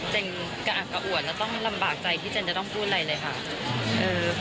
กระอักกะอวดแล้วต้องลำบากใจที่เจนจะต้องพูดอะไรเลยค่ะ